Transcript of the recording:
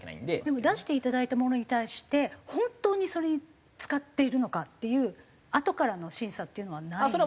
でも出していただいたものに対して本当にそれに使っているのかっていうあとからの審査っていうのはない？